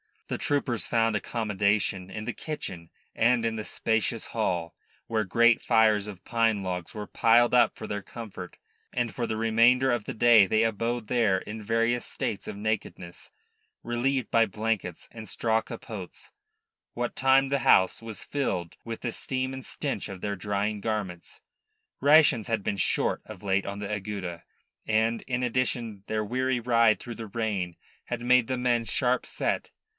The troopers found accommodation in the kitchen and in the spacious hall, where great fires of pine logs were piled up for their comfort; and for the remainder of the day they abode there in various states of nakedness, relieved by blankets and straw capotes, what time the house was filled with the steam and stench of their drying garments. Rations had been short of late on the Agueda, and, in addition, their weary ride through the rain had made the men sharp set.